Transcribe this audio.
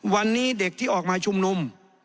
วันนี้เด็กที่ออกมาชุมนุม